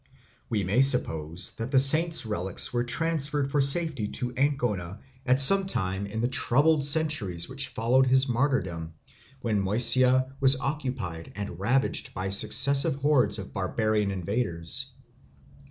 We may suppose that the saint's relics were transferred for safety to Ancona at some time in the troubled centuries which followed his martyrdom, when Moesia was occupied and ravaged by successive hordes of barbarian invaders.